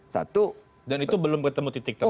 satu dan itu belum ketemu titik temu